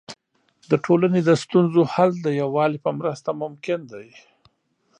د ټولنې د ستونزو حل د یووالي په مرسته ممکن دی.